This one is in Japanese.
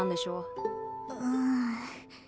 うん